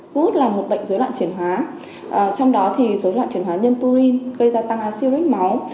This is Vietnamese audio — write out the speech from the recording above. gút là một bệnh dối loạn chuyển hóa trong đó dối loạn chuyển hóa nhân purine gây ra tăng acid rít máu